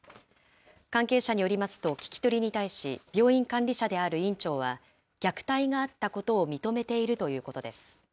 関係者によりますと、聞き取りに対し、病院管理者である院長は、虐待があったことを認めているということです。